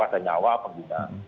pada nyawa pengguna